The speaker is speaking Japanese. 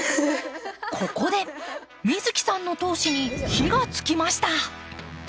ここで美月さんの闘志に火がつきました。